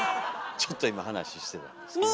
ちょっと今話してたんですよね。